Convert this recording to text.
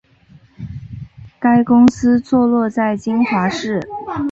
该公司坐落在金华市。